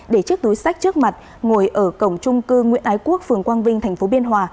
để chiếc túi sách trước mặt ngồi ở cổng trung cư nguyễn ái quốc phường quang vinh tp biên hòa